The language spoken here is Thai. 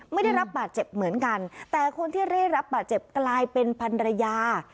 ไม่ได้รับบาดเจ็บเหมือนกันแต่คนที่ได้รับบาดเจ็บกลายเป็นพันรยา